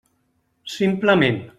Simplement.